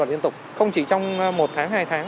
liên tục không chỉ trong một tháng hai tháng